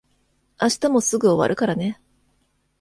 明日もすぐ終わるからね。